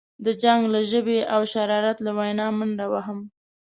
د جنګ له ژبې او شرارت له وینا منډه وهم.